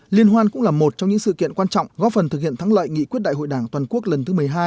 liên hoan cũng là một trong những sự kiện quan trọng góp phần thực hiện thắng lợi nghị quyết đại hội đảng toàn quốc lần thứ một mươi hai